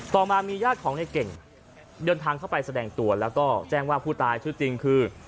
ต่อมามีญาติของในเก่งเดินทางเข้าไปแสดงตัวแล้วก็แจ้งว่าผู้ตายชื่อจริงคือ